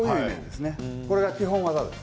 これが基本技です。